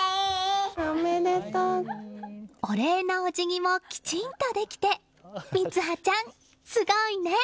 お礼のお辞儀もきちんとできて三葉ちゃん、すごいね！